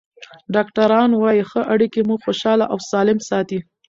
ډاکټران وايي ښه اړیکې موږ خوشحاله او سالم ساتي.